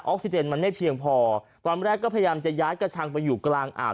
ซิเจนมันไม่เพียงพอตอนแรกก็พยายามจะย้ายกระชังไปอยู่กลางอ่าว